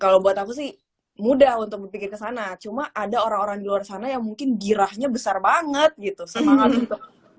kalau buat aku sih mudah untuk dipikir kesana cuma ada orang orang di luar sana yang mungkin girahnya besar banget gitu semangat itu